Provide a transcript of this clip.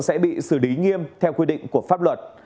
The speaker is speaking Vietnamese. sẽ bị xử lý nghiêm theo quy định của pháp luật